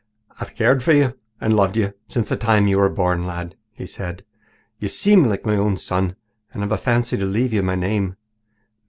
"I've cared for you and loved you since the time you were born, lad," he said. "You seem like my own son, and I've a fancy to leave you my name.